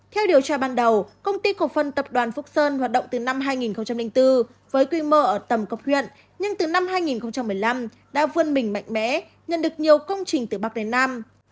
theo điều tra ban đầu công ty của phần tập đoàn phúc sơn hoạt động từ năm hai nghìn bốn với quy mơ ở tầm cấp huyện nhưng từ năm hai nghìn một mươi năm đã vươn bình mạnh mẽ nhận được nhiều công trình từ bắc đến nam